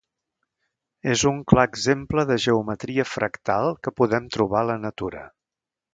És un clar exemple de geometria fractal que podem trobar a la natura.